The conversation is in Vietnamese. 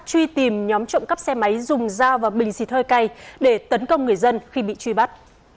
truy tìm nhóm trộm cắp xe máy dùng dao và bình xịt hơi cay để tấn công người dân khi bị truy bắt